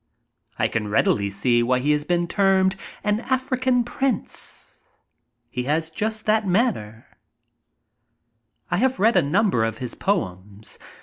I can readily see why he has been termed an African prince. He has just that manner. I have read a number of his poems.